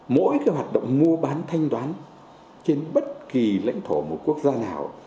mỗi cái hoạt động mua bán thanh toán trên bất kỳ lãnh thổ một quốc gia nào